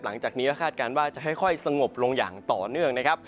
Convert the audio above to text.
หลังจากนี้ก็คาดการณ์ว่าจะค่อยสงบลงอย่างต่อเนื่องนะครับ